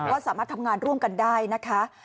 ว่าสามารถทำงานร่วมกันได้นะคะ